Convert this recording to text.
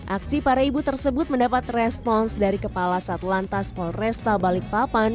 aksi para ibu tersebut mendapat respons dari kepala satlantas polresta balikpapan